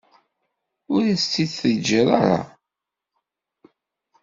Ur as-tt-id-teǧǧiḍ ara.